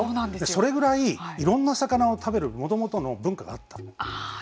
それぐらい、いろんな魚を食べるもともとの文化があった。